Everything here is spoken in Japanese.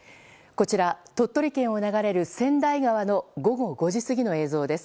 こちら、鳥取県を流れる千代川の午後５時過ぎの映像です。